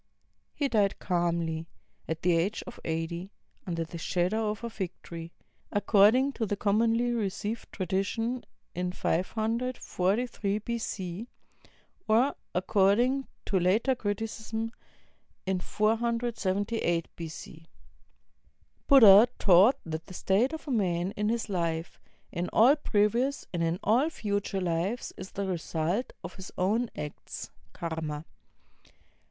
He died calmly, at the age of eighty, under the shadow of a fig tree, accord ing to the commonly received tradition in 543 B.C.; or according to later criticism in 478 B.C. Buddha taught that the state of a man in this life, in all previous and in aU future lives , is the result of his own acts (karma).